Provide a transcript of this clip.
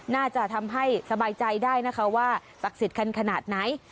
น่าจะทำให้สบายใจได้นะคะว่าศักดิ์สิทธิ์คันขนาดไหน